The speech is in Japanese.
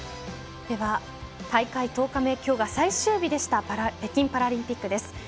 大会１０日目今日が最終日でした北京パラリンピックです。